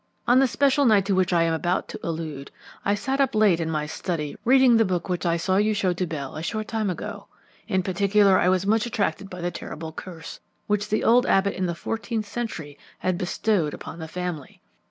"On the special night to which I am about to allude, I sat up late in my study reading the book which I saw you show to Bell a short time ago. In particular, I was much attracted by the terrible curse which the old abbot in the fourteenth century had bestowed upon the family.